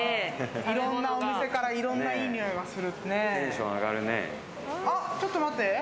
お店からいろんないいにおいがする。